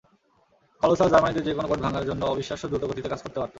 Colossus জার্মানিদের যেকোনো code ভাঙার জন্য অবিশ্বাস্য দ্রুতগতিতে কাজ করতে পারত।